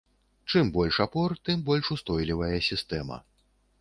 Чым больш апор, тым больш устойлівая сістэма.